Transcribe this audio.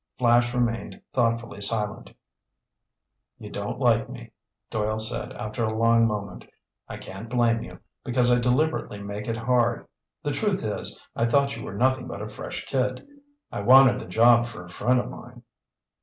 Flash remained thoughtfully silent. "You don't like me," Doyle said after a long moment. "I can't blame you, because I deliberately made it hard. The truth is, I thought you were nothing but a fresh kid. I wanted the job for a friend of mine."